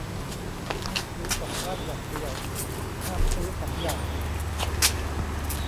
ให้ซื้อกลับบ้านอย่างเดียว ห้ามซื้อสองอย่าง